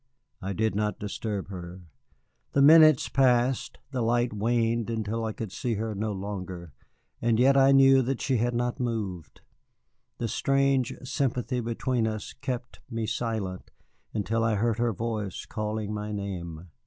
I did not disturb her. The minutes passed, the light waned until I could see her no longer, and yet I knew that she had not moved. The strange sympathy between us kept me silent until I heard her voice calling my name.